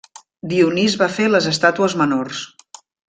Dionís va fer les estàtues menors.